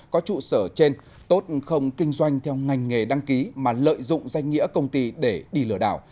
có trụ sở trên tốt không kinh doanh theo ngành nghề đăng ký mà lợi dụng danh nghĩa công ty để đi lừa đảo